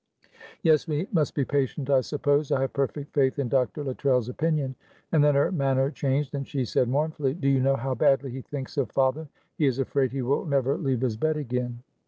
"Yes, we must be patient, I suppose. I have perfect faith in Dr. Luttrell's opinion," and then her manner changed, and she said, mournfully, "Do you know how badly he thinks of father? He is afraid he will never leave his bed again."